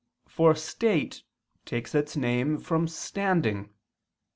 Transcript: For "state" takes its name from "standing."